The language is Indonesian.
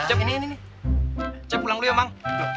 ncep ini ini ncep pulang dulu ya bang